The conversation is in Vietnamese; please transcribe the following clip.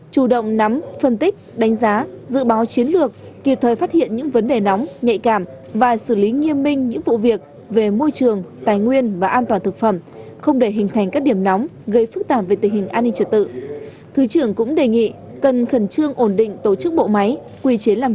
chủ động nắm phân tích đánh giá dự báo chiến lược kịp thời phát hiện những vấn đề nóng nhạy cảm và xử lý nghiêm minh những vụ việc về môi trường tài nguyên và an toàn thực phẩm không để hình thành các điểm nóng gây phức tạp về tình hình an ninh trật tự